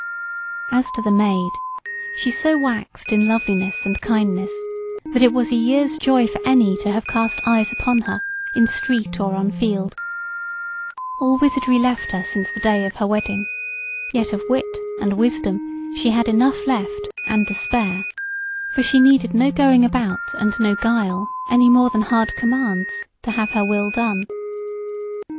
As to the Maid, she so waxed in loveliness and kindness, that it was a year's joy for any to have cast eyes upon her in street or on field. All wizardry left her since the day of her wedding; yet of wit and wisdom she had enough left, and to spare; for she needed no going about, and no guile, any more than hard commands, to have her will done.